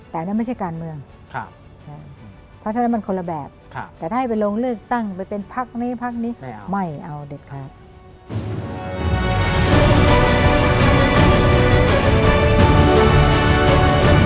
แต่นั่นไม่ใช่การเมืองเพราะฉะนั้นมันคนละแบบแต่ถ้าให้ไปลงเลือกตั้งไปเป็นพักนี้พักนี้ไม่เอาเด็ดขาด